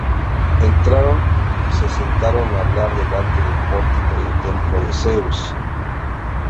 Entraron y se sentaron a hablar delante del pórtico del templo de Zeus.